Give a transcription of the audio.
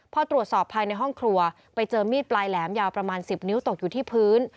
พอตรวจสอบภายในห้องครัวไปเจอมีดปลายแหลมยาวประมาณ๑๐นิ้วตกอยู่ที่พื้น